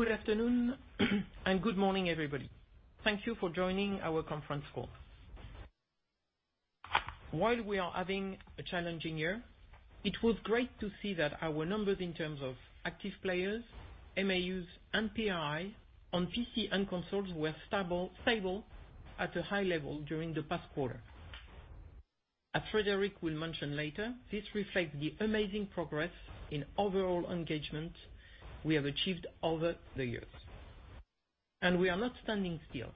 Good afternoon and good morning, everybody. Thank you for joining our conference call. While we are having a challenging year, it was great to see that our numbers in terms of active players, MAUs, and PRI on PC and consoles were stable at a high level during the past quarter. As Frédérick will mention later, this reflects the amazing progress in overall engagement we have achieved over the years. We are not standing still.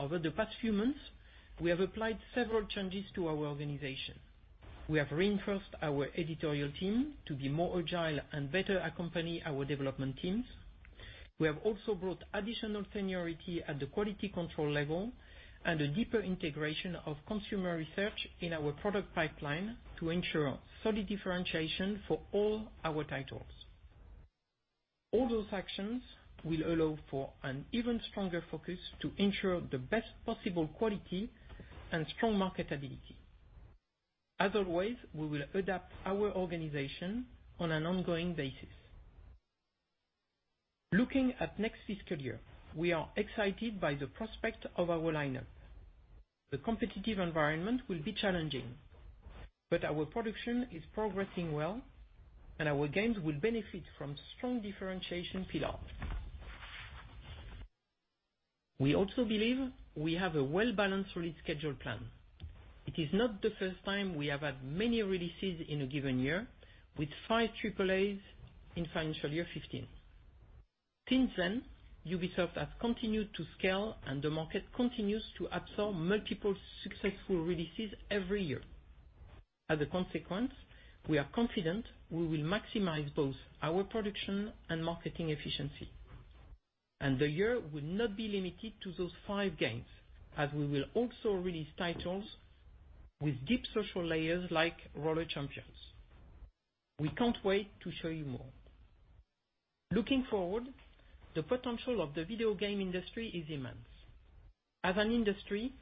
Over the past few months, we have applied several changes to our organization. We have reinforced our editorial team to be more agile and better accompany our development teams. We have also brought additional seniority at the quality control level and a deeper integration of consumer research in our product pipeline to ensure solid differentiation for all our titles. All those actions will allow for an even stronger focus to ensure the best possible quality and strong marketability. As always, we will adapt our organization on an ongoing basis. Looking at next fiscal year, we are excited by the prospect of our lineup. The competitive environment will be challenging, but our production is progressing well, and our games will benefit from strong differentiation pillar. We also believe we have a well-balanced release schedule plan. It is not the first time we have had many releases in a given year, with five AAAs in financial year 2015. Since then, Ubisoft has continued to scale and the market continues to absorb multiple successful releases every year. As a consequence, we are confident we will maximize both our production and marketing efficiency. The year will not be limited to those five games, as we will also release titles with deep social layers like Roller Champions. We can't wait to show you more. Looking forward, the potential of the video game industry is immense. As an industry,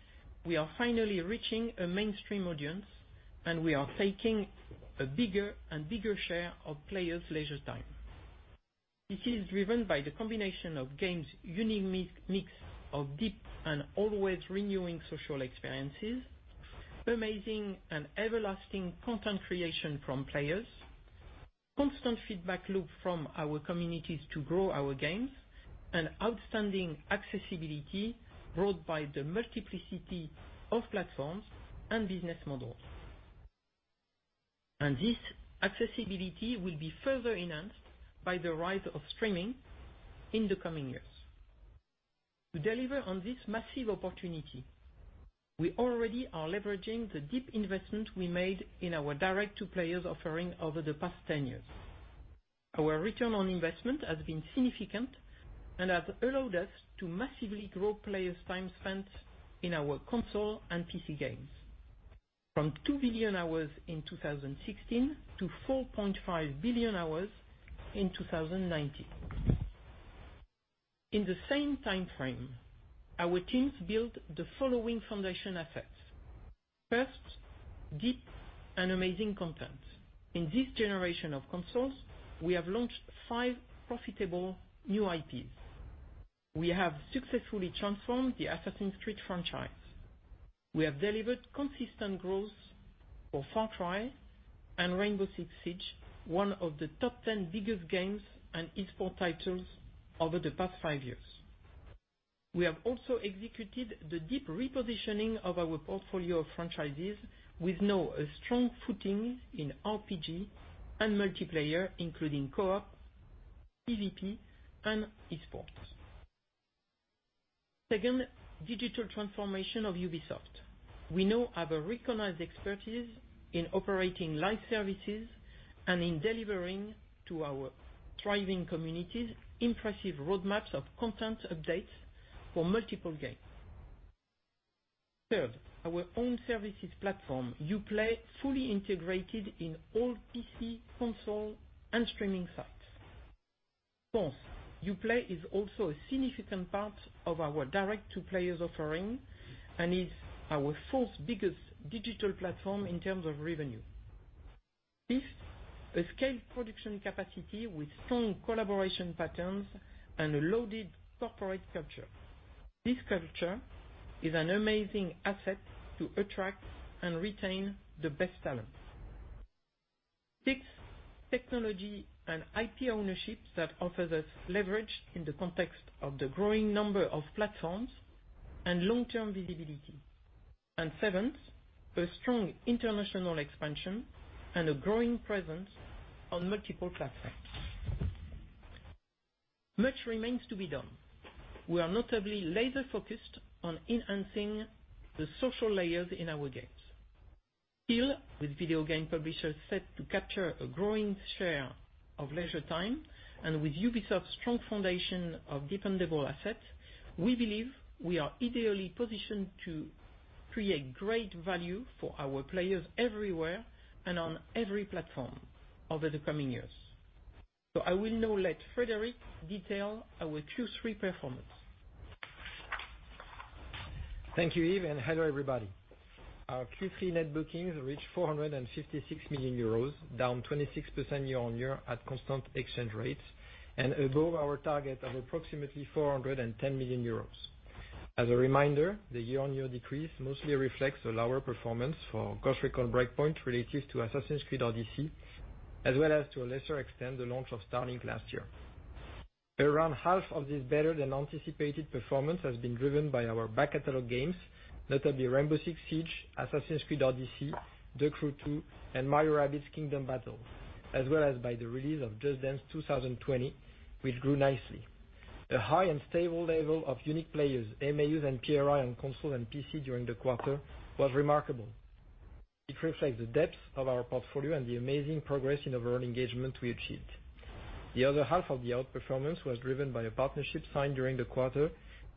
we are finally reaching a mainstream audience, we are taking a bigger and bigger share of players' leisure time. This is driven by the combination of games' unique mix of deep and always-renewing social experiences, amazing and everlasting content creation from players, constant feedback loop from our communities to grow our games, and outstanding accessibility brought by the multiplicity of platforms and business models. This accessibility will be further enhanced by the rise of streaming in the coming years. To deliver on this massive opportunity, we already are leveraging the deep investment we made in our direct-to-players offering over the past 10 years. Our return on investment has been significant and has allowed us to massively grow players' time spent in our console and PC games, from 2 billion hours in 2016 to 4.5 billion hours in 2019. In the same timeframe, our teams built the following foundation assets. First, deep and amazing content. In this generation of consoles, we have launched five profitable new IPs. We have successfully transformed the Assassin's Creed franchise. We have delivered consistent growth for Far Cry and Rainbow Six Siege, one of the top 10 biggest games and esports titles over the past five years. We have also executed the deep repositioning of our portfolio of franchises with now a strong footing in RPG and multiplayer, including co-op, PVP, and esports. Second, digital transformation of Ubisoft. We now have a recognized expertise in operating live services and in delivering to our thriving communities impressive roadmaps of content updates for multiple games. Third, our own services platform, Uplay, fully integrated in all PC, console, and streaming sites. Fourth, Uplay is also a significant part of our direct-to-players offering and is our fourth biggest digital platform in terms of revenue. Fifth, a scaled production capacity with strong collaboration patterns and a loaded corporate culture. This culture is an amazing asset to attract and retain the best talent. Six, technology and IP ownership that offers us leverage in the context of the growing number of platforms and long-term visibility. Seventh, a strong international expansion and a growing presence on multiple platforms. Much remains to be done. We are notably laser-focused on enhancing the social layers in our games. With video game publishers set to capture a growing share of leisure time and with Ubisoft's strong foundation of dependable assets, we believe we are ideally positioned to create great value for our players everywhere and on every platform over the coming years. I will now let Frédérick detail our Q3 performance. Thank you, Yves, and hello, everybody. Our Q3 net bookings reached 456 million euros, down 26% year-on-year at constant exchange rates, and above our target of approximately 410 million euros. As a reminder, the year-on-year decrease mostly reflects a lower performance for Ghost Recon Breakpoint relative to Assassin's Creed Odyssey, as well as, to a lesser extent, the launch of Starlink last year. Around half of this better-than-anticipated performance has been driven by our back catalog games, notably Rainbow Six Siege, Assassin's Creed Odyssey, The Crew 2, and Mario + Rabbids Kingdom Battle, as well as by the release of Just Dance 2020, which grew nicely. The high and stable level of unique players, MAUs and PRI on console and PC during the quarter was remarkable. It reflects the depth of our portfolio and the amazing progress in overall engagement we achieved. The other half of the outperformance was driven by a partnership signed during the quarter,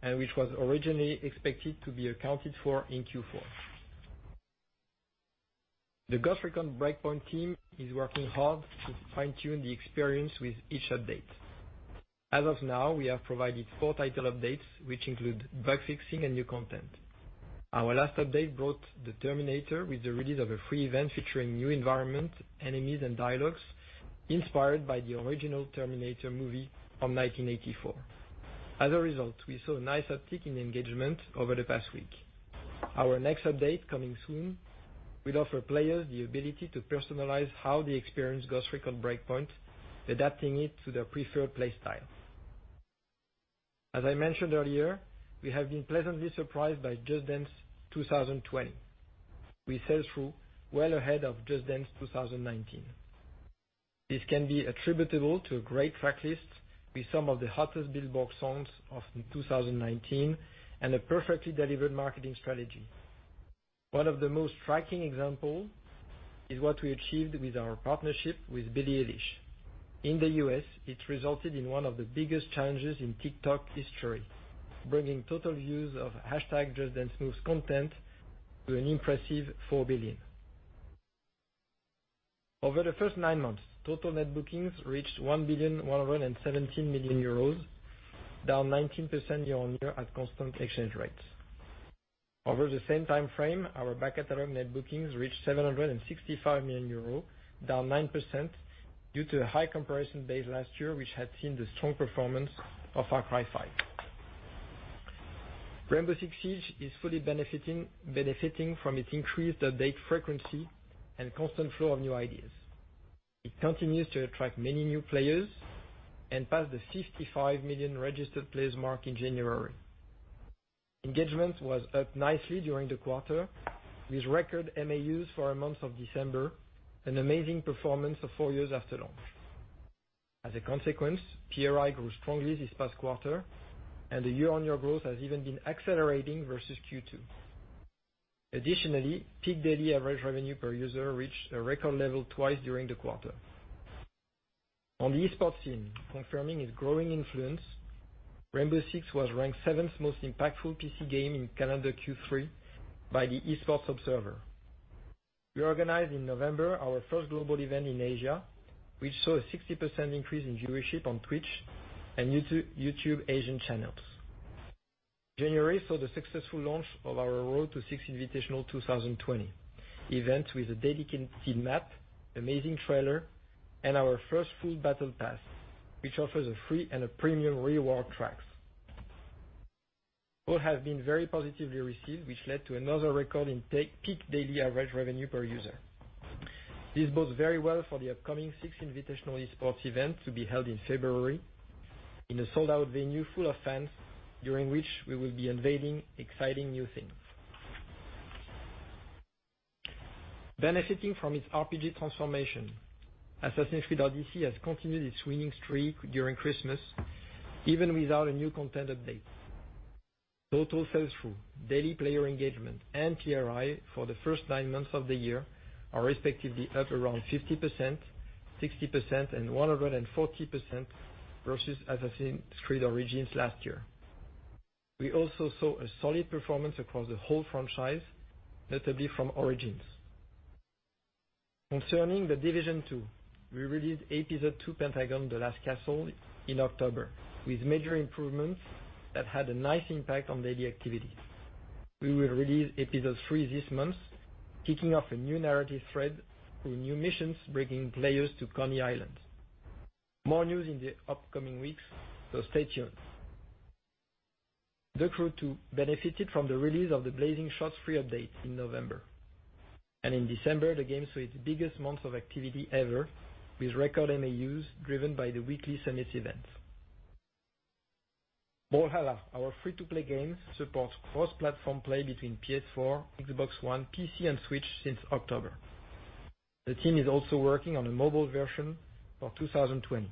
which was originally expected to be accounted for in Q4. The Ghost Recon Breakpoint team is working hard to fine-tune the experience with each update. As of now, we have provided four title updates, which include bug fixing and new content. Our last update brought The Terminator with the release of a free event featuring new environment, enemies and dialogues inspired by the original Terminator movie from 1984. As a result, we saw a nice uptick in engagement over the past week. Our next update, coming soon, will offer players the ability to personalize how they experience Ghost Recon Breakpoint, adapting it to their preferred play style. As I mentioned earlier, we have been pleasantly surprised by Just Dance 2020. We sell through well ahead of Just Dance 2019. This can be attributable to a great track list with some of the hottest Billboard songs of 2019, and a perfectly delivered marketing strategy. One of the most striking example is what we achieved with our partnership with Billie Eilish. In the U.S., it resulted in one of the biggest challenges in TikTok history, bringing total views of #JustDance's most content to an impressive four billion. Over the first nine months, total net bookings reached 1,117 million euros, down 19% year-on-year at constant exchange rates. Over the same time frame, our back catalog net bookings reached 765 million euros, down 9% due to the high comparison base last year, which had seen the strong performance of Far Cry New Dawn. Rainbow Six Siege is fully benefiting from its increased update frequency and constant flow of new ideas. It continues to attract many new players and pass the 55 million registered players mark in January. Engagement was up nicely during the quarter with record MAUs for a month of December, an amazing performance of four years after launch. As a consequence, PRI grew strongly this past quarter, and the year-on-year growth has even been accelerating versus Q2. Additionally, peak daily average revenue per user reached a record level twice during the quarter. On the esports scene, confirming its growing influence, Rainbow Six was ranked seventh most impactful PC game in calendar Q3 by The Esports Observer. We organized in November our first global event in Asia, which saw a 60% increase in viewership on Twitch and YouTube Asian channels. January saw the successful launch of our Road to Six Invitational 2020 event with a dedicated map, amazing trailer, and our first full battle pass, which offers a free and a premium reward tracks. Both have been very positively received, which led to another record in peak daily average revenue per user. This bodes very well for the upcoming Six Invitational esports event to be held in February in a sold-out venue full of fans, during which we will be unveiling exciting new things. Benefiting from its RPG transformation, Assassin's Creed Odyssey has continued its winning streak during Christmas, even without new content updates. Total sales through, daily player engagement, and PRI for the first nine months of the year are respectively up around 50%, 60% and 140% versus Assassin's Creed Origins last year. We also saw a solid performance across the whole franchise, notably from Origins. Concerning The Division 2, we released Episode Two, Pentagon: The Last Castle in October, with major improvements that had a nice impact on daily activities. We will release Episode Three this month, kicking off a new narrative thread through new missions, bringing players to Coney Island. More news in the upcoming weeks, stay tuned. The Crew 2 benefited from the release of the Blazing Shots free update in November. In December, the game saw its biggest month of activity ever with record MAUs driven by the weekly summits events. Brawlhalla, our free-to-play games, support cross-platform play between PS4, Xbox One, PC, and Switch since October. The team is also working on a mobile version for 2020.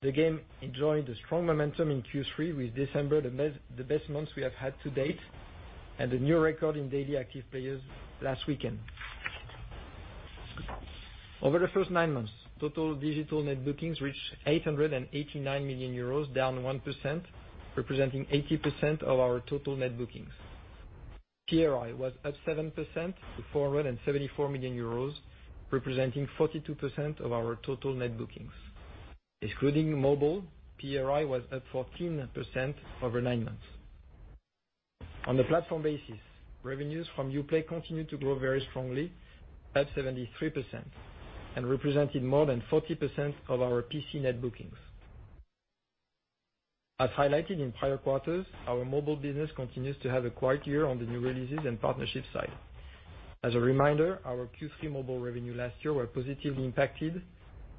The game enjoyed a strong momentum in Q3, with December the best months we have had to date and a new record in daily active players last weekend. Over the first nine months, total digital net bookings reached 889 million euros, down 1%, representing 80% of our total net bookings. PRI was up 7% to 474 million euros, representing 42% of our total net bookings. Excluding mobile, PRI was up 14% over nine months. On the platform basis, revenues from Uplay continued to grow very strongly, up 73%, and represented more than 40% of our PC net bookings. As highlighted in prior quarters, our mobile business continues to have a quiet year on the new releases and partnership side. As a reminder, our Q3 mobile revenue last year was positively impacted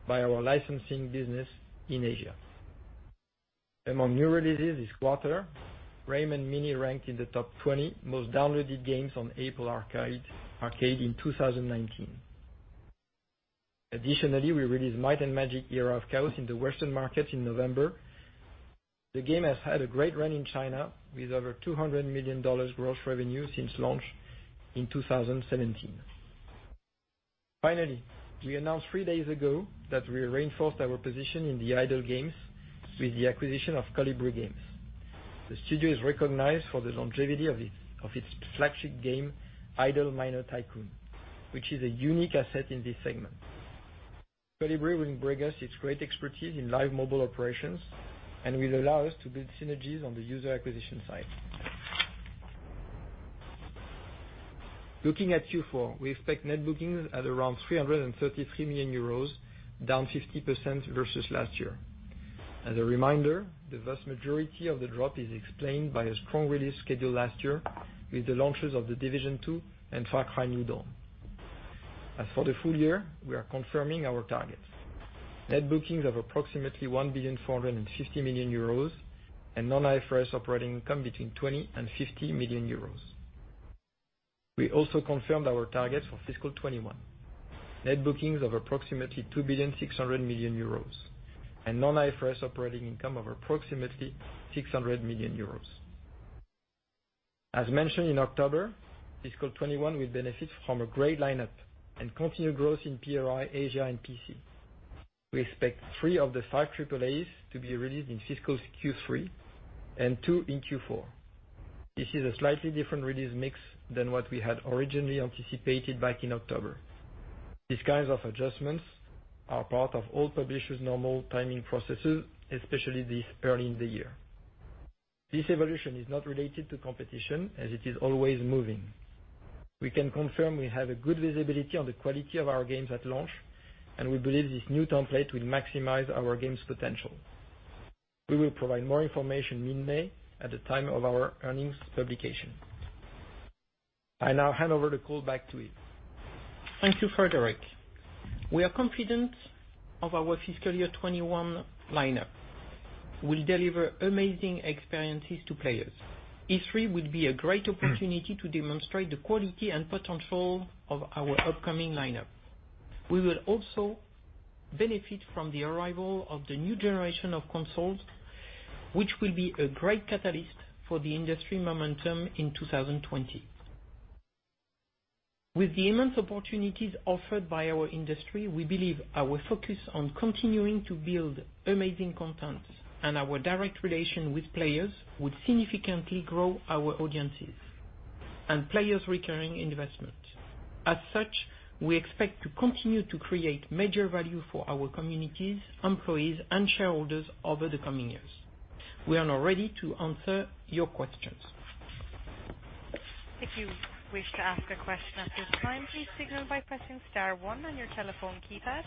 by our licensing business in Asia. Among new releases this quarter, Rayman Mini ranked in the top 20 most downloaded games on Apple Arcade in 2019. Additionally, we released Might & Magic: Era of Chaos in the Western market in November. The game has had a great run in China with over EUR 200 million gross revenue since launch in 2017. Finally, we announced three days ago that we reinforced our position in the idle games with the acquisition of Kolibri Games. The studio is recognized for the longevity of its flagship game, Idle Miner Tycoon, which is a unique asset in this segment. Kolibri will bring us its great expertise in live mobile operations and will allow us to build synergies on the user acquisition side. Looking at Q4, we expect net bookings at around 333 million euros, down 50% versus last year. As a reminder, the vast majority of the drop is explained by a strong release schedule last year with the launches of The Division 2 and Far Cry: New Dawn. As for the full year, we are confirming our targets. Net bookings of approximately 1,450 million euros and non-IFRS operating income between 20 million and 50 million euros. We also confirmed our targets for fiscal 2021. Net bookings of approximately 2,600 million euros and non-IFRS operating income of approximately 600 million euros. As mentioned in October, fiscal 2021 will benefit from a great lineup and continued growth in PRI, Asia, and PC. We expect three of the five AAAs to be released in fiscal Q3 and two in Q4. This is a slightly different release mix than what we had originally anticipated back in October. These kinds of adjustments are part of all publishers' normal timing processes, especially this early in the year. This evolution is not related to competition as it is always moving. We can confirm we have a good visibility on the quality of our games at launch, and we believe this new template will maximize our games' potential. We will provide more information mid-May at the time of our earnings publication. I now hand over the call back to Yves. Thank you, Frédérick. We are confident of our fiscal year 2021 lineup. We'll deliver amazing experiences to players. E3 will be a great opportunity to demonstrate the quality and potential of our upcoming lineup. We will also benefit from the arrival of the new generation of consoles, which will be a great catalyst for the industry momentum in 2020. With the immense opportunities offered by our industry, we believe our focus on continuing to build amazing content and our direct relation with players will significantly grow our audiences and players' recurring investment. We expect to continue to create major value for our communities, employees, and shareholders over the coming years. We are now ready to answer your questions. If you wish to ask a question at this time, please signal by pressing star one on your telephone keypad.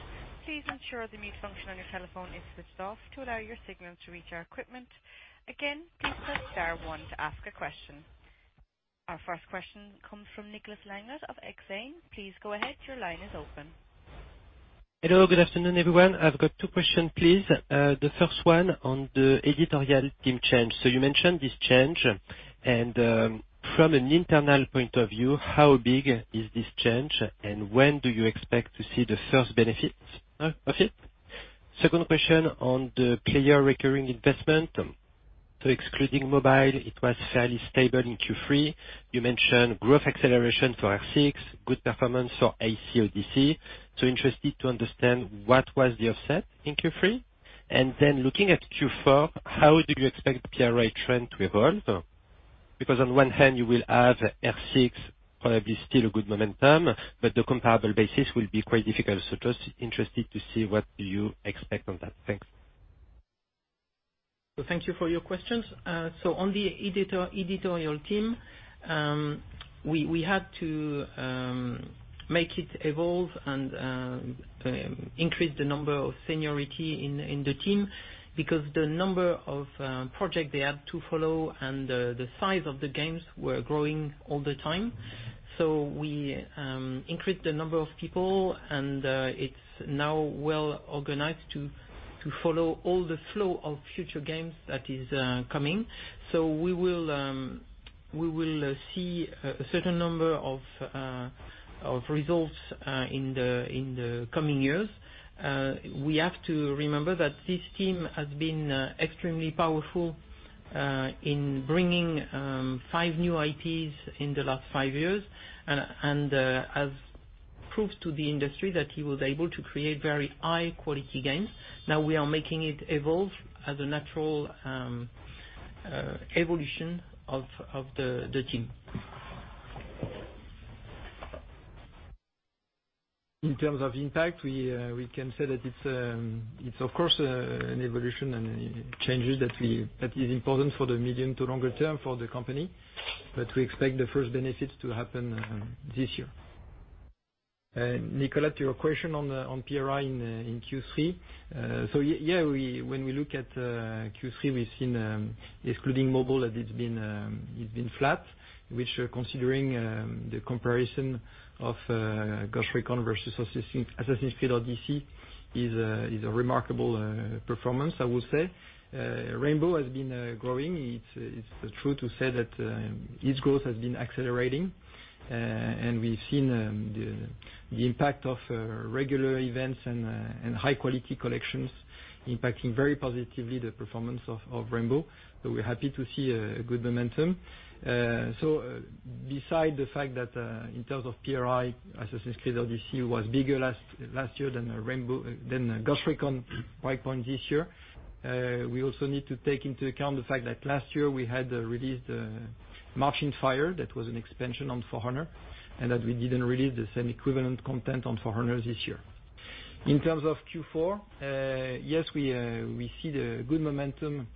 Please ensure the mute function on your telephone is switched off to allow your signal to reach our equipment. Again, please press star one to ask a question. Our first question comes from Nicolas Langlet of Exane. Please go ahead. Your line is open. Hello. Good afternoon, everyone. I've got two questions, please. The first one on the editorial team change. You mentioned this change, and from an internal point of view, how big is this change, and when do you expect to see the first benefits of it? Second question on the Player Recurring Investment. Excluding mobile, it was fairly stable in Q3. You mentioned growth acceleration for R6, good performance for Assassin's Creed Odyssey. Interested to understand what was the offset in Q3. Looking at Q4, how do you expect the PRI trend to evolve? On one hand you will have R6 probably still a good momentum, but the comparable basis will be quite difficult. Just interested to see what you expect on that. Thanks. Thank you for your questions. On the editorial team, we had to make it evolve and increase the number of seniority in the team because the number of projects they had to follow and the size of the games were growing all the time. We increased the number of people, and it's now well organized to follow all the flow of future games that is coming. We will see a certain number of results in the coming years. We have to remember that this team has been extremely powerful in bringing five new IPs in the last five years. Proves to the industry that he was able to create very high-quality games. We are making it evolve as a natural evolution of the team. In terms of impact, we can say that it's of course an evolution and a change that is important for the medium to longer term for the company. We expect the first benefits to happen this year. Nicolas, to your question on PRI in Q3, when we look at Q3, we've seen, excluding mobile, that it's been flat, which considering the comparison of Ghost Recon versus Assassin's Creed Odyssey, is a remarkable performance, I would say. Rainbow has been growing. It's true to say that its growth has been accelerating, and we've seen the impact of regular events and high-quality collections impacting very positively the performance of Rainbow. We're happy to see a good momentum. Beside the fact that in terms of PRI, Assassin's Creed Odyssey was bigger last year than Ghost Recon Breakpoint this year, we also need to take into account the fact that last year we had released Marching Fire. That was an expansion on For Honor, and that we didn't release the same equivalent content on For Honor this year. In terms of Q4, yes, we see the good momentum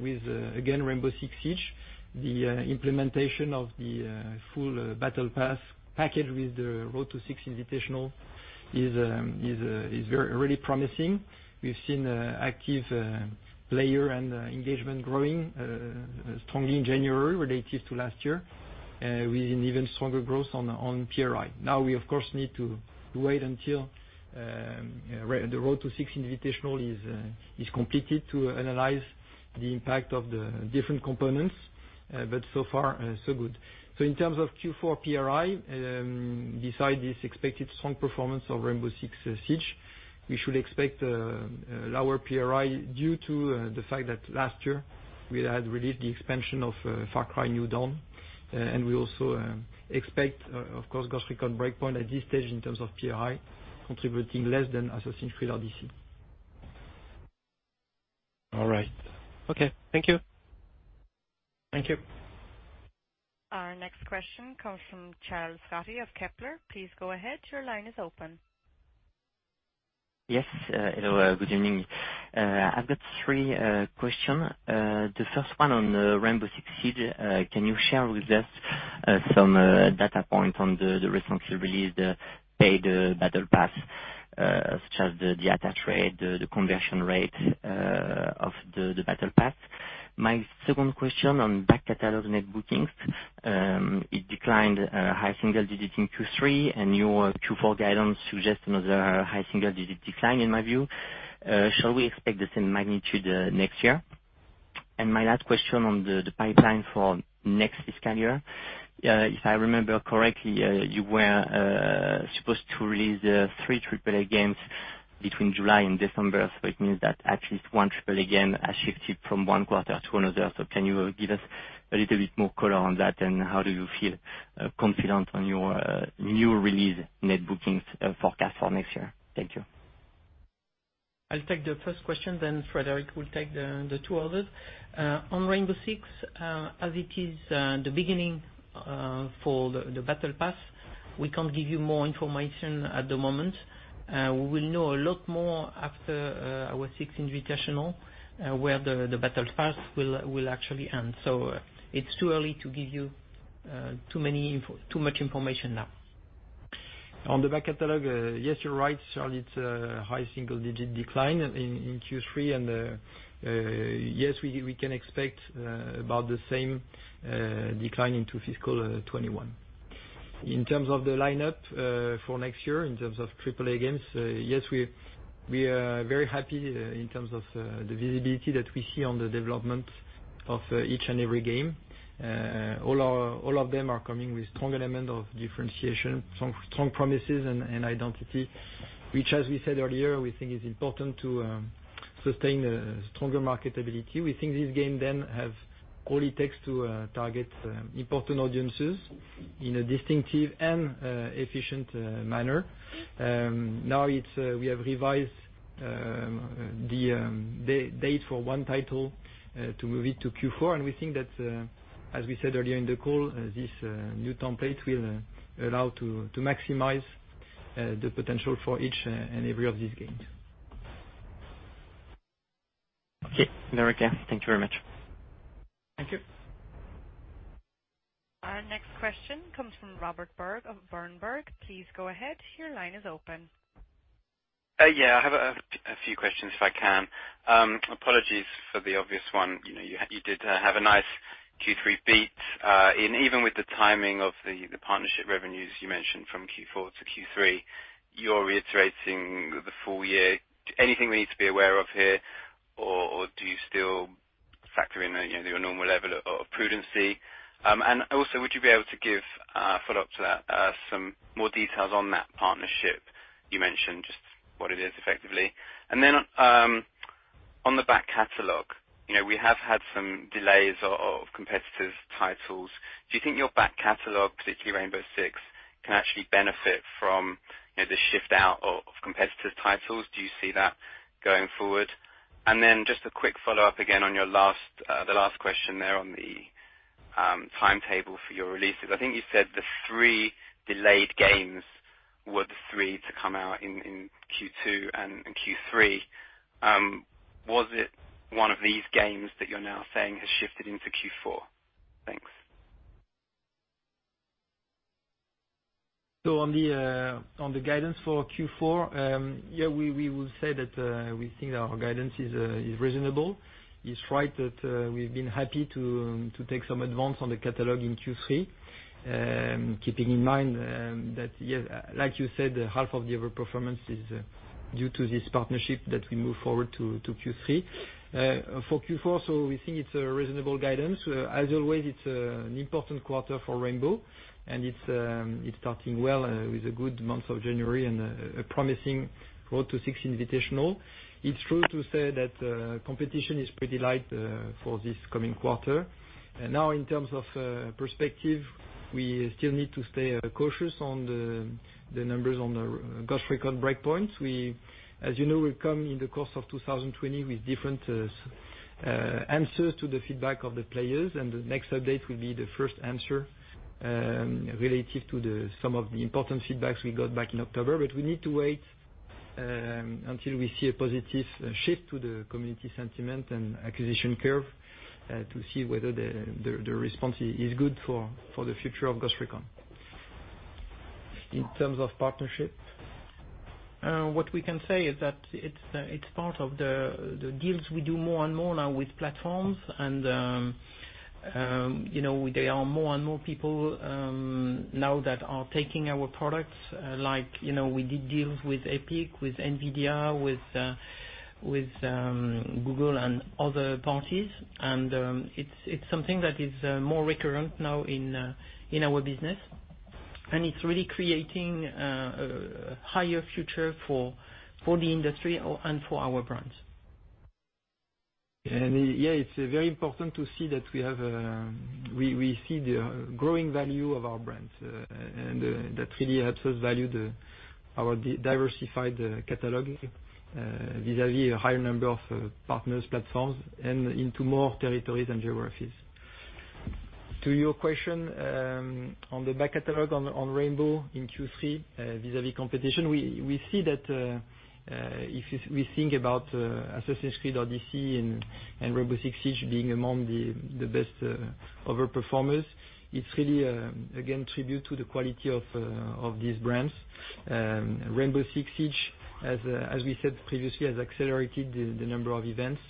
with, again, Rainbow Six Siege. The implementation of the full battle pass package with the Road to Six Invitational is really promising. We've seen active player and engagement growing strongly in January relative to last year, with an even stronger growth on PRI. We, of course, need to wait until the Road to Six Invitational is completed to analyze the impact of the different components, but so far, so good. In terms of Q4 PRI, beside this expected strong performance of Rainbow Six Siege, we should expect a lower PRI due to the fact that last year, we had released the expansion of Far Cry New Dawn, and we also expect, of course, Ghost Recon Breakpoint at this stage in terms of PRI, contributing less than Assassin's Creed Odyssey. All right. Okay. Thank you. Thank you. Our next question comes from Charles Scotti of Kepler. Please go ahead. Your line is open. Yes. Hello, good evening. I've got three questions. The first one on Rainbow Six Siege. Can you share with us some data points on the recently released paid battle pass, such as the attach rate, the conversion rate of the battle pass? My second question on back-catalog net bookings. It declined high single digits in Q3, and your Q4 guidance suggests another high single-digit decline, in my view. Shall we expect the same magnitude next year? My last question on the pipeline for next fiscal year. If I remember correctly, you were supposed to release three AAA games between July and December. It means that at least one AAA game has shifted from one quarter to another. Can you give us a little bit more color on that, and how do you feel confident on your new release net bookings forecast for next year? Thank you. I'll take the first question, then Frédérick will take the two others. On Rainbow Six, as it is the beginning for the battle pass, we can't give you more information at the moment. We will know a lot more after our Six Invitational where the battle pass will actually end. It's too early to give you too much information now. On the back catalog. Yes, you're right, Charles. It's a high single-digit decline in Q3. Yes, we can expect about the same decline into fiscal 2021. In terms of the lineup for next year, in terms of AAA games, yes, we are very happy in terms of the visibility that we see on the development of each and every game. All of them are coming with strong elements of differentiation, strong promises, and identity, which as we said earlier, we think is important to sustain a stronger marketability. We think these games then have all it takes to target important audiences in a distinctive and efficient manner. We have revised the date for one title to move it to Q4, and we think that, as we said earlier in the call, this new template will allow to maximize the potential for each and every of these games. Okay. No worries. Thank you very much. Thank you. Our next question comes from Robert Berg of Berenberg. Please go ahead. Your line is open. Yeah. I have a few questions if I can. Apologies for the obvious one. You did have a nice Q3 beat. Even with the timing of the partnership revenues you mentioned from Q4 to Q3, you're reiterating the full year. Anything we need to be aware of here, or do you still factor in your normal level of prudency? Also, would you be able to give a follow-up to that, some more details on that partnership you mentioned, just what it is effectively. On the back catalog, we have had some delays of competitive titles. Do you think your back catalog, particularly Rainbow Six, can actually benefit from the shift out of competitive titles? Do you see that going forward? Just a quick follow-up again on the last question there on the timetable for your releases. I think you said the three delayed games were the three to come out in Q2 and Q3. Was it one of these games that you're now saying has shifted into Q4? Thanks. On the guidance for Q4, we will say that we think our guidance is reasonable. It's right that we've been happy to take some advance on the catalog in Q3, keeping in mind that, like you said, half of the other performance is due to this partnership that we moved forward to Q3. For Q4, we think it's a reasonable guidance. As always, it's an important quarter for Rainbow, and it's starting well with a good month of January and a promising Road to Six Invitational. It's true to say that competition is pretty light for this coming quarter. In terms of perspective, we still need to stay cautious on the numbers on the Ghost Recon Breakpoint. As you know, we come in the course of 2020 with different answers to the feedback of the players, and the next update will be the first answer relative to some of the important feedbacks we got back in October. We need to wait until we see a positive shift to the community sentiment and acquisition curve to see whether the response is good for the future of Ghost Recon. In terms of partnership? What we can say is that it's part of the deals we do more and more now with platforms. There are more and more people now that are taking our products like we did deals with Epic, with NVIDIA, with Google, and other parties. It's something that is more recurrent now in our business. It's really creating a higher future for the industry and for our brands. Yeah, it's very important to see that we see the growing value of our brands, and that really helps us value our diversified catalog vis-à-vis a higher number of partners, platforms, and into more territories and geographies. To your question on the back catalog on Rainbow in Q3 vis-à-vis competition, we see that if we think about Assassin's Creed or Odyssey and Rainbow Six Siege being among the best over-performers, it's really, again, tribute to the quality of these brands. Rainbow Six Siege, as we said previously, has accelerated the number of events,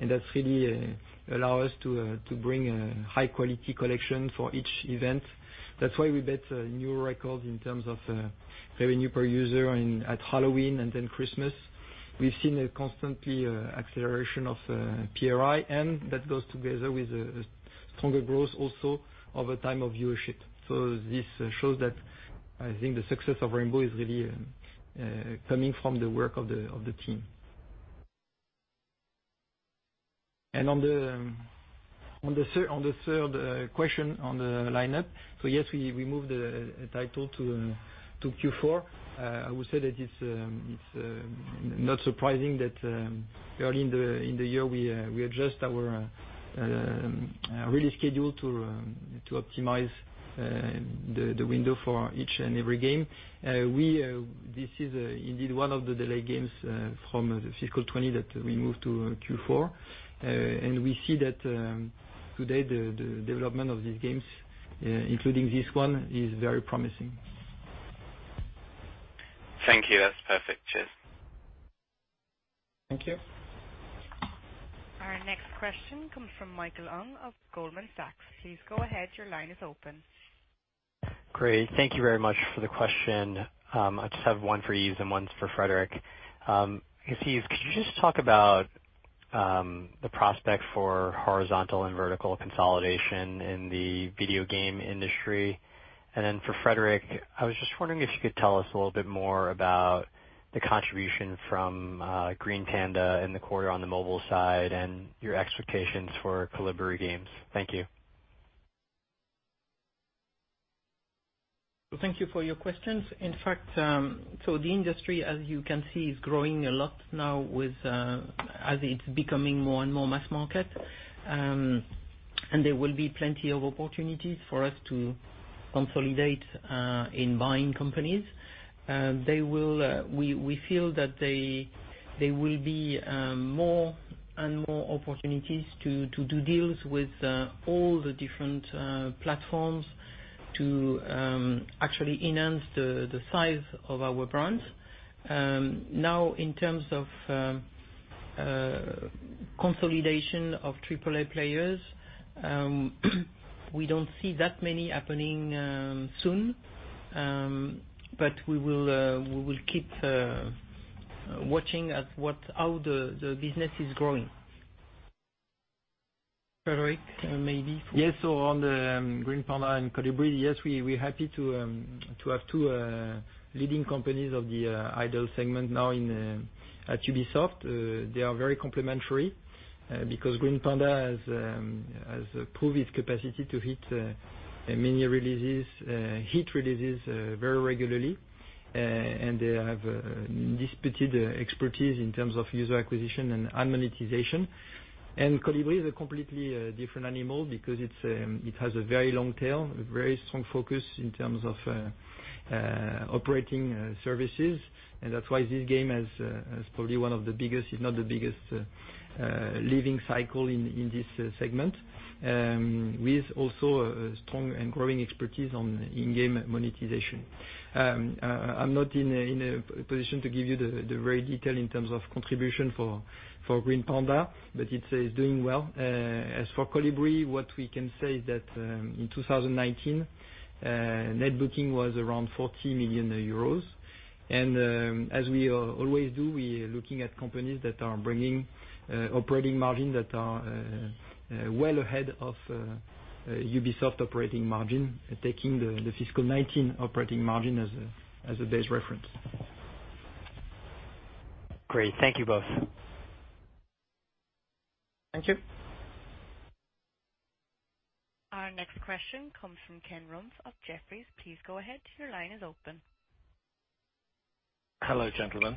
and that's really allow us to bring a high-quality collection for each event. That's why we bet new records in terms of revenue per user at Halloween and then Christmas. We've seen a constantly acceleration of PRI, that goes together with stronger growth also over time of viewership. This shows that I think the success of Rainbow is really coming from the work of the team. On the third question on the lineup, yes, we moved the title to Q4. I would say that it's not surprising that early in the year, we adjust our release schedule to optimize the window for each and every game. This is indeed one of the delayed games from the fiscal 2020 that we moved to Q4. We see that today, the development of these games, including this one, is very promising. Thank you. That's perfect. Cheers. Thank you. Our next question comes from Michael Ng of Goldman Sachs. Please go ahead. Your line is open. Great. Thank you very much for the question. I just have one for Yves and one for Frédérick. If Yves, could you just talk about the prospect for horizontal and vertical consolidation in the video game industry? For Frédérick, I was just wondering if you could tell us a little bit more about the contribution from Green Panda in the quarter on the mobile side and your expectations for Kolibri Games. Thank you. Thank you for your questions. In fact, the industry, as you can see, is growing a lot now as it's becoming more and more mass market. There will be plenty of opportunities for us to consolidate in buying companies. We feel that there will be more and more opportunities to do deals with all the different platforms to actually enhance the size of our brands. Now, in terms of consolidation of AAA players, we don't see that many happening soon. We will keep watching at how the business is growing. Frédérick, maybe. Yes. On the Green Panda and Kolibri, yes, we're happy to have two leading companies of the idle segment now at Ubisoft. They are very complementary, because Green Panda has proven its capacity to hit mini-releases, hit releases very regularly. They have proven expertise in terms of user acquisition and ad monetization. Kolibri is a completely different animal, because it has a very long tail, a very strong focus in terms of operating services, and that's why this game has probably one of the biggest, if not the biggest, living cycle in this segment. With also a strong and growing expertise on in-game monetization. I'm not in a position to give you the right detail in terms of contribution for Green Panda, but it is doing well. As for Kolibri, what we can say is that, in 2019, net booking was around 40 million euros. As we always do, we are looking at companies that are bringing operating margin that are well ahead of Ubisoft operating margin, taking the fiscal 2019 operating margin as a base reference. Great. Thank you both. Thank you. Our next question comes from Ken Rumph of Jefferies. Please go ahead, your line is open. Hello, gentlemen.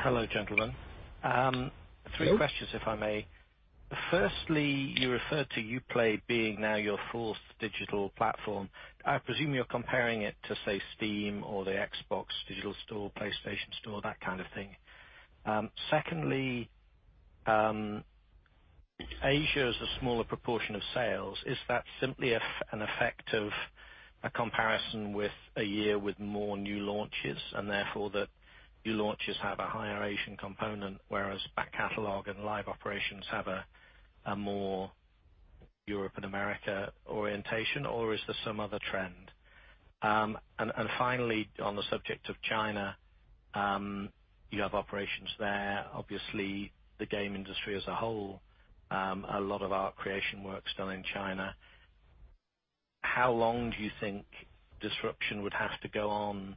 Hello. Three questions, if I may. Firstly, you referred to Uplay being now your fourth digital platform. I presume you're comparing it to, say, Steam or the Xbox Games Store, PlayStation Store, that kind of thing. Secondly, Asia is a smaller proportion of sales. Is that simply an effect of a comparison with a year with more new launches, and therefore the new launches have a higher Asian component, whereas back catalog and live operations have a more Europe and America orientation? Or is there some other trend? Finally, on the subject of China, you have operations there. Obviously, the game industry as a whole, a lot of our creation work's done in China. How long do you think disruption would have to go on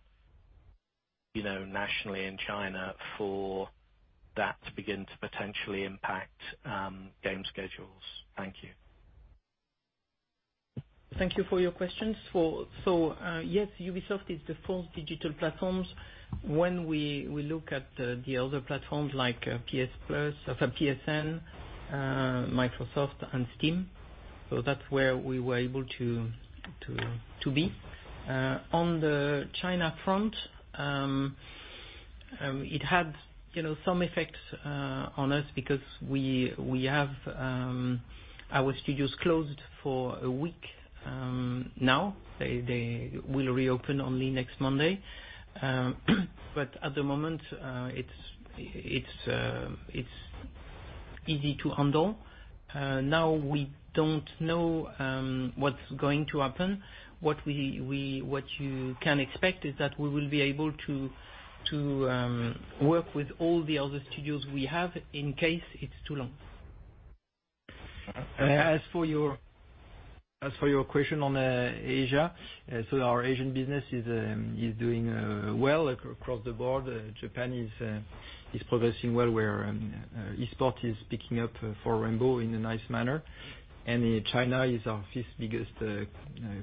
nationally in China for that to begin to potentially impact game schedules? Thank you. Thank you for your questions. Yes, Ubisoft is the fourth digital platforms when we look at the other platforms like PSN, Microsoft and Steam. That's where we were able to be. On the China front, it had some effects on us because our studios closed for a week now. They will reopen only next Monday. At the moment, it's easy to handle. Now we don't know what's going to happen. What you can expect is that we will be able to work with all the other studios we have in case it's too long. As for your question on Asia, our Asian business is doing well across the board. Japan is progressing well where e-sport is picking up for Rainbow in a nice manner. China is our fifth-biggest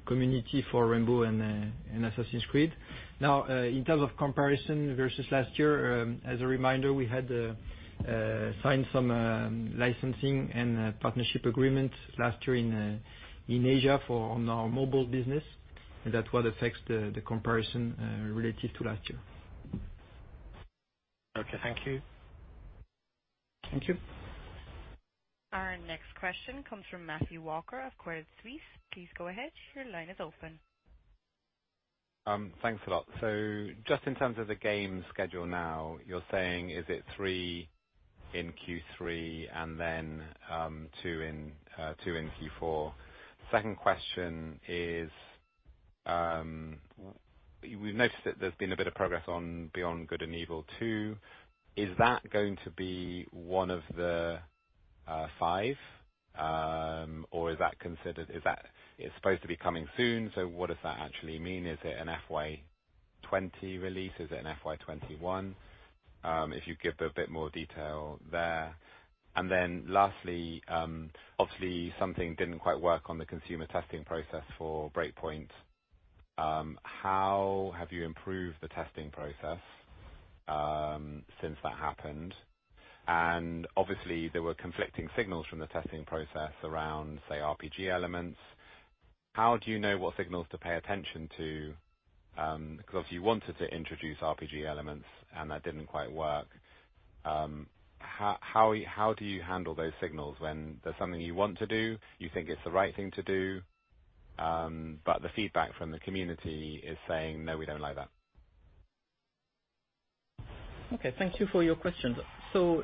community for Rainbow and Assassin's Creed. Now, in terms of comparison versus last year, as a reminder, we had signed some licensing and partnership agreements last year in Asia on our mobile business. That's what affects the comparison relative to last year. Okay, thank you. Thank you. Our next question comes from Matthew Walker of Credit Suisse. Please go ahead, your line is open. Thanks a lot. Just in terms of the game schedule now, you're saying is it three in Q3 and then two in Q4? Second question is, we've noticed that there's been a bit of progress on Beyond Good and Evil 2. Is that going to be one of the five? It's supposed to be coming soon, what does that actually mean? Is it an FY 2020 release? Is it an FY 2021? If you'd give a bit more detail there. Lastly, obviously something didn't quite work on the consumer testing process for Breakpoint. How have you improved the testing process since that happened? Obviously, there were conflicting signals from the testing process around, say, RPG elements. How do you know what signals to pay attention to? Obviously you wanted to introduce RPG elements, and that didn't quite work. How do you handle those signals when there's something you want to do, you think it's the right thing to do, but the feedback from the community is saying, "No, we don't like that"? Okay, thank you for your questions.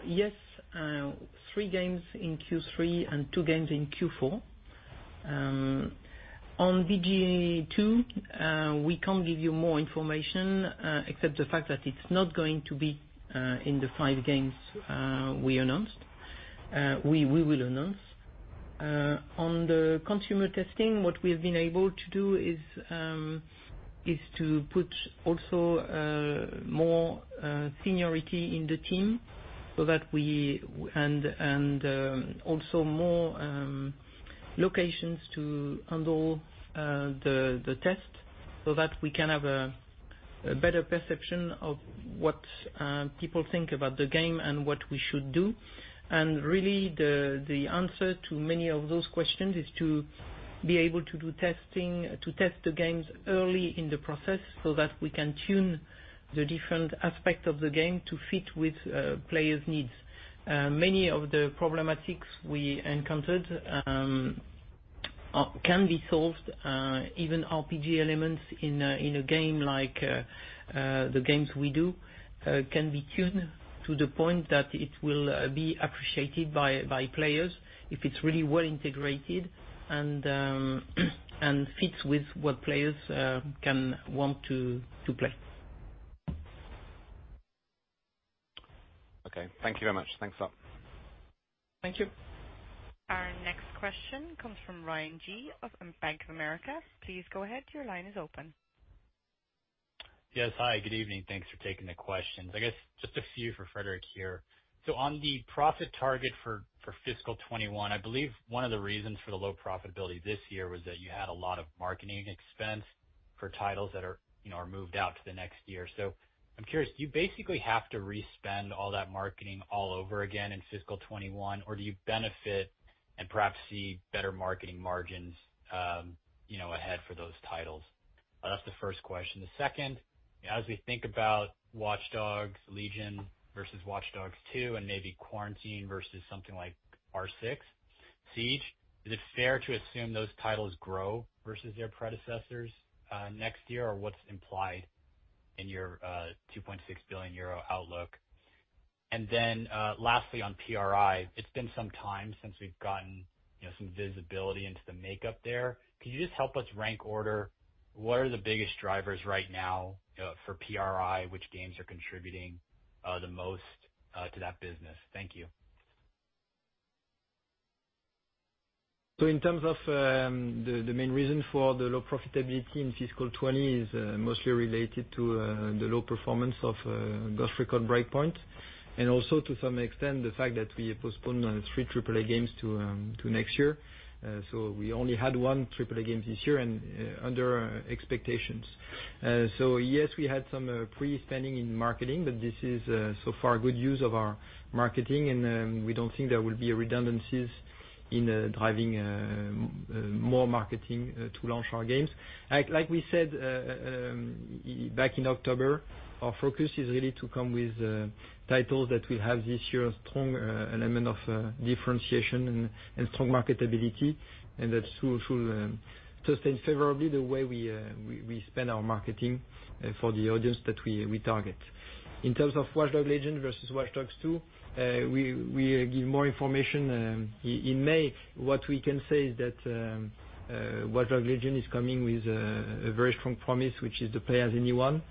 Yes, three games in Q3 and two games in Q4. On BGE2, we can't give you more information, except the fact that it's not going to be in the five games we will announce. On the consumer testing, what we have been able to do is to put also more seniority in the team and also more locations to handle the test so that we can have a better perception of what people think about the game and what we should do. Really, the answer to many of those questions is to be able to do testing, to test the games early in the process so that we can tune the different aspects of the game to fit with players' needs. Many of the problematics we encountered can be solved, even RPG elements in a game like the games we do, can be tuned to the point that it will be appreciated by players if it's really well integrated and fits with what players can want to play. Okay. Thank you very much. Thanks a lot. Thank you. Our next question comes from Ryan Gee of Bank of America. Please go ahead, your line is open. Yes. Hi, good evening. Thanks for taking the questions. I guess just a few for Frédérick here. On the profit target for fiscal 2021, I believe one of the reasons for the low profitability this year was that you had a lot of marketing expense for titles that are moved out to the next year. I'm curious, do you basically have to re-spend all that marketing all over again in fiscal 2021, or do you benefit and perhaps see better marketing margins ahead for those titles? That's the first question. The second, as we think about Watch Dogs: Legion versus Watch Dogs 2 and maybe Quarantine versus something like R6 Siege, is it fair to assume those titles grow versus their predecessors next year, or what's implied in your 2.6 billion euro outlook? Lastly, on PRI, it's been some time since we've gotten some visibility into the makeup there. Could you just help us rank order what are the biggest drivers right now for PRI? Which games are contributing the most to that business? Thank you. In terms of the main reason for the low profitability in fiscal 2020 is mostly related to the low performance of Ghost Recon Breakpoint, and also to some extent, the fact that we postponed three AAA games to next year. We only had one AAA game this year and under expectations. Yes, we had some pre-spending in marketing, but this is so far good use of our marketing, and we don't think there will be redundancies in driving more marketing to launch our games. Like we said back in October, our focus is really to come with titles that will have this year's strong element of differentiation and strong marketability, and that should sustain favorably the way we spend our marketing for the audience that we target. In terms of Watch Dogs: Legion versus Watch Dogs 2, we give more information in May. What we can say is that "Watch Dogs: Legion" is coming with a very strong promise, which is the play as anyone,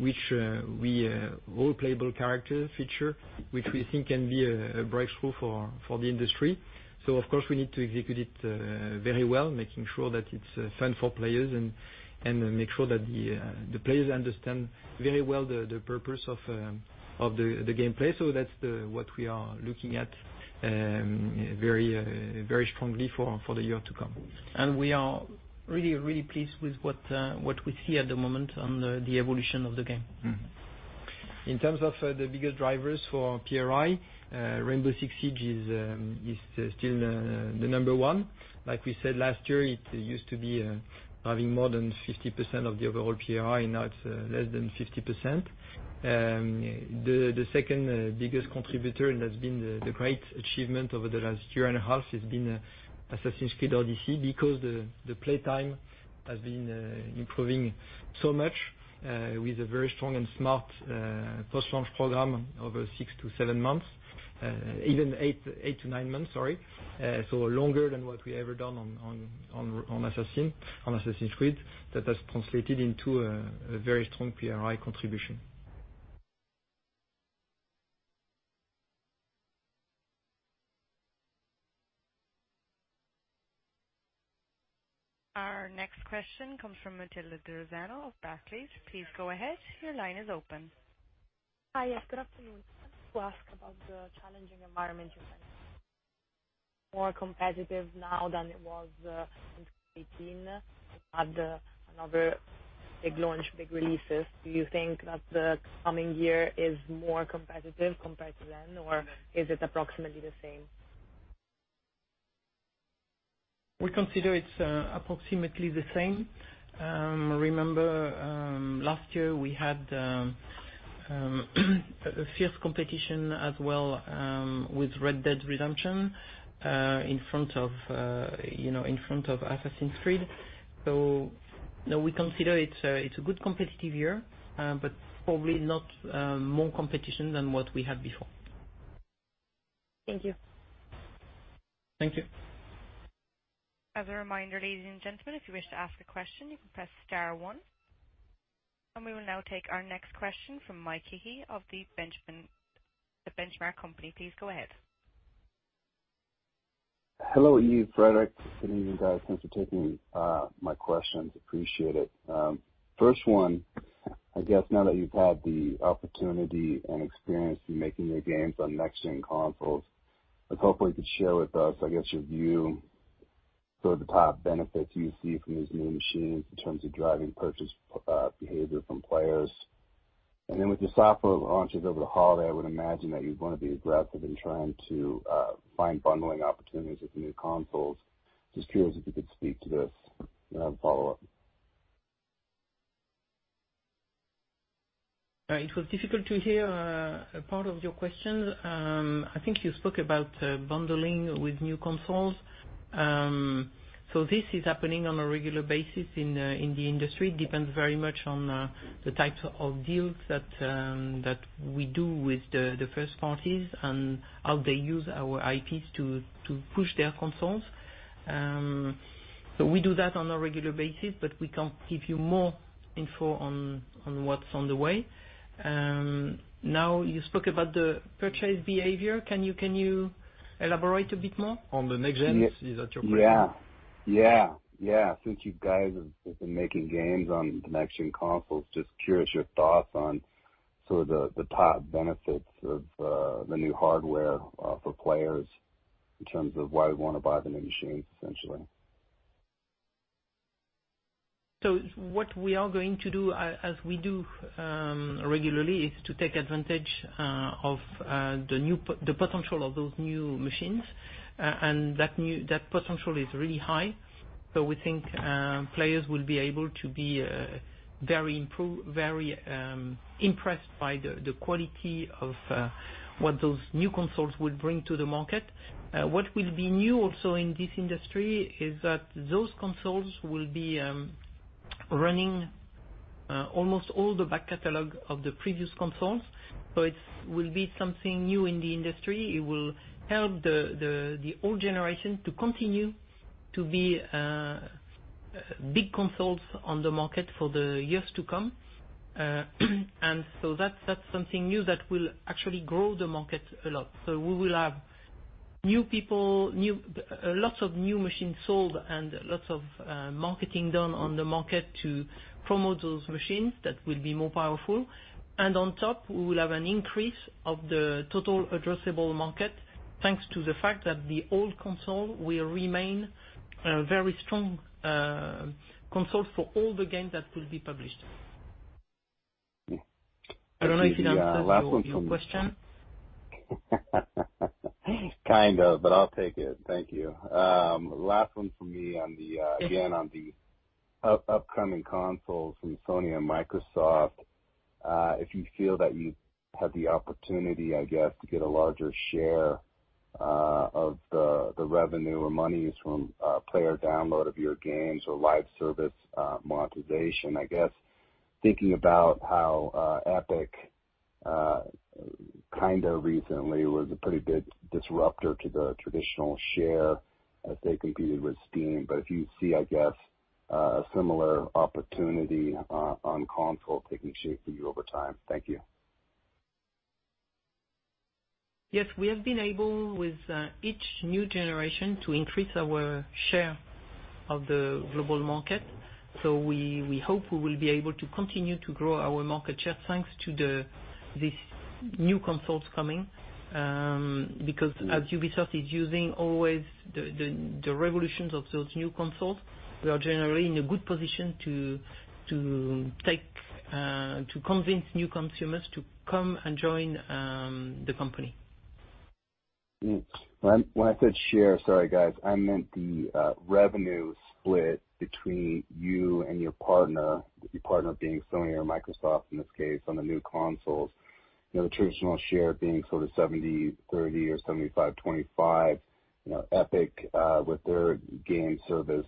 which we all playable characters feature, which we think can be a breakthrough for the industry. Of course, we need to execute it very well, making sure that it's fun for players and make sure that the players understand very well the purpose of the gameplay. That's what we are looking at very strongly for the year to come. We are really pleased with what we see at the moment on the evolution of the game. In terms of the biggest drivers for PRI, "Rainbow Six Siege" is still the number one. Like we said last year, it used to be having more than 50% of the overall PRI, now it's less than 50%. The second-biggest contributor, and that's been the great achievement over the last year and a half, has been "Assassin's Creed Odyssey" because the play time has been improving so much with a very strong and smart post-launch program over six to seven months. Even eight to nine months, sorry. Longer than what we ever done on "Assassin's Creed." That has translated into a very strong PRI contribution. Our next question comes from [Adeleda Zara] of Barclays. Please go ahead, your line is open. Hi. Yes, good afternoon. I want to ask about the challenging environment you're facing. More competitive now than it was in 2018 at another big launch, big releases. Do you think that the coming year is more competitive compared to then, or is it approximately the same? We consider it's approximately the same. Remember, last year we had a fierce competition as well with Red Dead Redemption in front of Assassin's Creed. No, we consider it's a good competitive year, but probably not more competition than what we had before. Thank you. Thank you. As a reminder, ladies and gentlemen, if you wish to ask a question, you can press star one. We will now take our next question from Mike Hickey of The Benchmark Company. Please go ahead. Hello, Yves, Frédérick. Good evening, guys. Thanks for taking my questions. Appreciate it. First one, I guess now that you've had the opportunity and experience in making your games on next-gen consoles, I hope you could share with us, I guess, your view, sort of the top benefits you see from these new machines in terms of driving purchase behavior from players. Then with your software launches over the holiday, I would imagine that you'd want to be aggressive in trying to find bundling opportunities with the new consoles. Just curious if you could speak to this. I have a follow-up. It was difficult to hear a part of your question. I think you spoke about bundling with new consoles. This is happening on a regular basis in the industry. Depends very much on the types of deals that we do with the first parties and how they use our IPs to push their consoles. We do that on a regular basis, but we can't give you more info on what's on the way. Now, you spoke about the purchase behavior. Can you elaborate a bit more on the next gens? Is that your question? Yeah. Since you guys have been making games on next-gen consoles, just curious your thoughts on sort of the top benefits of the new hardware for players in terms of why they'd want to buy the new machines, essentially? What we are going to do, as we do regularly, is to take advantage of the potential of those new machines, and that potential is really high. We think players will be able to be very impressed by the quality of what those new consoles will bring to the market. What will be new also in this industry is that those consoles will be running almost all the back catalog of the previous consoles. It will be something new in the industry. It will help the old generation to continue to be big consoles on the market for the years to come. That's something new that will actually grow the market a lot. We will have lots of new machines sold and lots of marketing done on the market to promote those machines that will be more powerful. On top, we will have an increase of the total addressable market, thanks to the fact that the old console will remain a very strong console for all the games that will be published. I don't know if I answered your question. Kind of, but I'll take it. Thank you. Last one from me, again, on the upcoming consoles from Sony and Microsoft. If you feel that you have the opportunity, I guess, to get a larger share of the revenue or monies from player download of your games or live service monetization. I guess, thinking about how Epic kind of recently was a pretty big disrupter to the traditional share as they competed with Steam. If you see, I guess, a similar opportunity on console taking shape for you over time. Thank you. Yes, we have been able, with each new generation, to increase our share of the global market. We hope we will be able to continue to grow our market share thanks to these new consoles coming. As Ubisoft is using always the revolutions of those new consoles, we are generally in a good position to convince new consumers to come and join the company. When I said share, sorry, guys, I meant the revenue split between you and your partner, your partner being Sony or Microsoft in this case, on the new consoles. The traditional share being sort of 70:30 or 75:25. Epic, with their gaming service,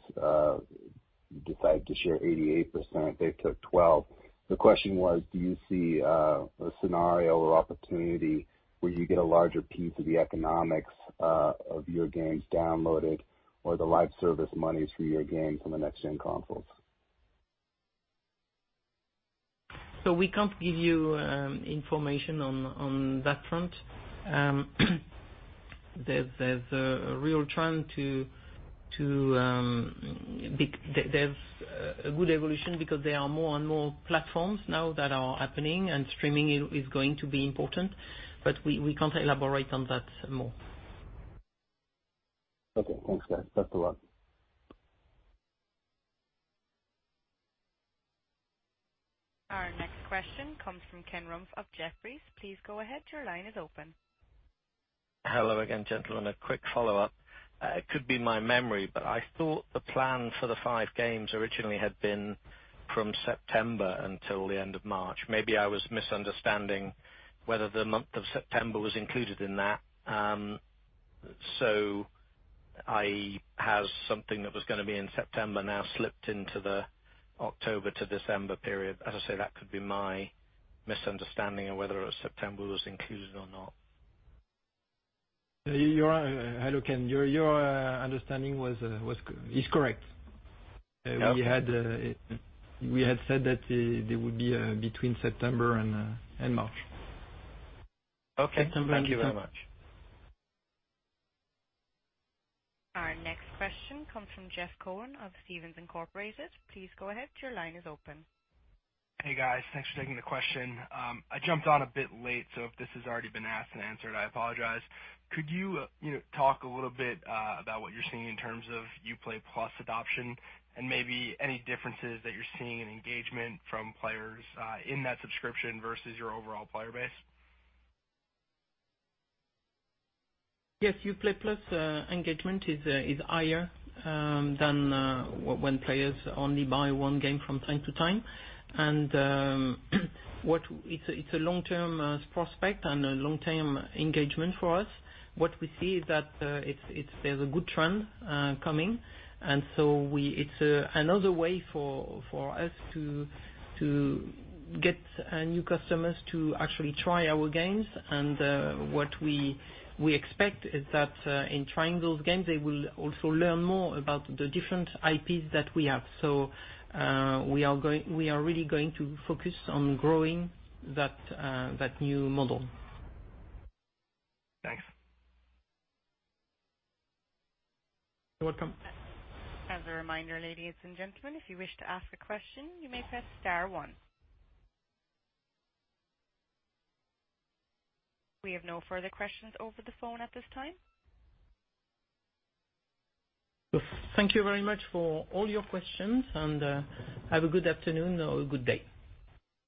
decided to share 88%. They took 12%. The question was, do you see a scenario or opportunity where you get a larger piece of the economics of your games downloaded or the live service monies for your games on the next-gen consoles? We can't give you information on that front. There's a good evolution because there are more and more platforms now that are happening, and streaming is going to be important, but we can't elaborate on that some more. Okay, thanks, guys. That's the one. Question comes from Ken Rumph of Jefferies. Please go ahead. Your line is open. Hello again, gentlemen. A quick follow-up. It could be my memory, but I thought the plan for the five games originally had been from September until the end of March. Maybe I was misunderstanding whether the month of September was included in that. Has something that was going to be in September now slipped into the October to December period? As I say, that could be my misunderstanding on whether September was included or not. Hello, Ken. Your understanding is correct. Okay. We had said that they would be between September and March. Okay. Thank you very much. Our next question comes from Jeff Cohen of Stephens Inc. Please go ahead. Your line is open. Hey, guys. Thanks for taking the question. I jumped on a bit late. If this has already been asked and answered, I apologize. Could you talk a little bit about what you're seeing in terms of Uplay+ adoption and maybe any differences that you're seeing in engagement from players in that subscription versus your overall player base? Yes, Uplay+ engagement is higher than when players only buy one game from time to time. It's a long-term prospect and a long-term engagement for us. What we see is that there's a good trend coming, and so it's another way for us to get new customers to actually try our games. What we expect is that in trying those games, they will also learn more about the different IPs that we have. We are really going to focus on growing that new model. Thanks. You're welcome. As a reminder, ladies and gentlemen, if you wish to ask a question, you may press star one. We have no further questions over the phone at this time. Thank you very much for all your questions and have a good afternoon or a good day.